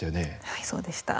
はいそうでした。